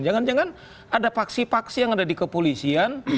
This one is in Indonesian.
jangan jangan ada paksi paksi yang ada di kepolisian